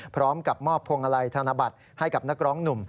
พร้อมกับมอบพวงมาลัยธนบัตรให้กับนักร้องหนุ่ม